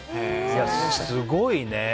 すごいね。